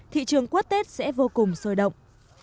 thị trường quất tết sẽ vô cùng sôi động